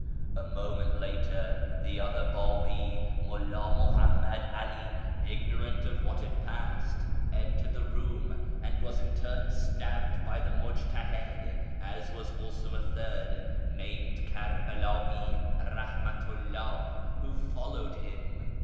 A moment later the other Babi, Mulla ^luhammad 'Ali, ignorant of what had passed, entered the room, and was in turn stabbed by the Mujtahid, as was also a third, named Kerbela'i Eahmatu 'llah who followed him.